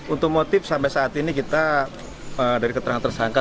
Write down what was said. untuk motif sampai saat ini kita dari keterangan tersangka